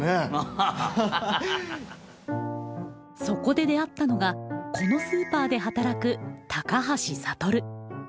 そこで出会ったのがこのスーパーで働く高橋羽。